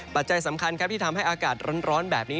ปัจจัยสำคัญครับที่ทำให้อากาศร้อนแบบนี้